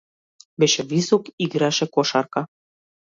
Беше висок и играше кошарка.